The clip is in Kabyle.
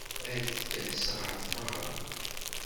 Ad d-tas ɣer tmeɣra.